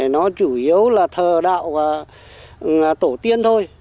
nó chủ yếu là thờ đạo tổ tiên thôi